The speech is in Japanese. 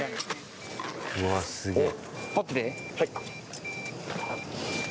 うわ、すげぇ。